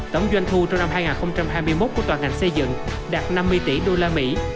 tổng doanh thu trong năm hai nghìn hai mươi một của tòa ngành xây dựng đạt năm mươi tỷ usd